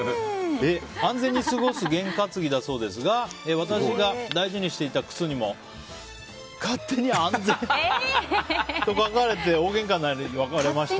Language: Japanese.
安全に過ごす験担ぎだそうですが私が大事にしていた靴にも勝手に安全と書かれて大げんかになり、別れました。